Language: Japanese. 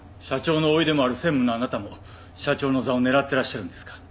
社長の甥でもある専務のあなたも社長の座を狙っていらっしゃるんですか？